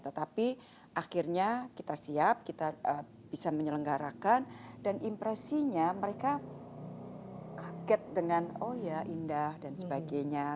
tetapi akhirnya kita siap kita bisa menyelenggarakan dan impresinya mereka kaget dengan oh ya indah dan sebagainya